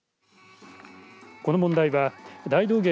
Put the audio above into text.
この問題は大道芸